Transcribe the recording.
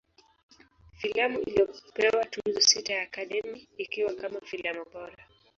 Filamu ilipewa Tuzo sita za Academy, ikiwa kama filamu bora.